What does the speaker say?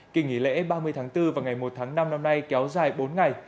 kỳ nghỉ lễ ba mươi tháng bốn và ngày một tháng năm năm nay kéo dài bốn ngày